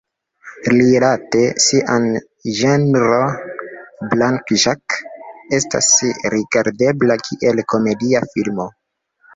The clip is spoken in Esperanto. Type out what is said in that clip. Rilate sian ĝenron, "Black Jack" estas rigardebla kiel komedia filmo.